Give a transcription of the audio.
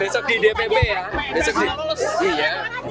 besok di dpp ya